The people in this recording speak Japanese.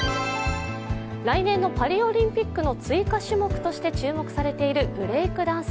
来年のパリオリンピックの追加種目として注目されているブレイクダンス。